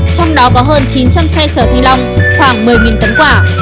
trong đó có hơn chín trăm linh xe chở thanh long khoảng một mươi tấn quả